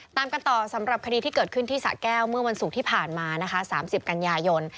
ตามกันต่อสำหรับคดีที่เกิดขึ้นที่สะแก้วเมื่อวันศุกร์ที่ผ่านมานะคะ๓๐กันยายน